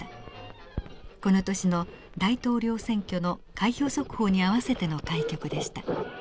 この年の大統領選挙の開票速報に合わせての開局でした。